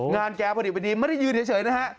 งานแกพอดีไม่ได้ยืนเฉยนะฮะ